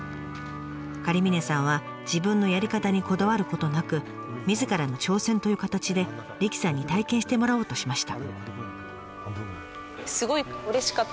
狩峰さんは自分のやり方にこだわることなくみずからの挑戦という形で理妃さんに体験してもらおうとしました。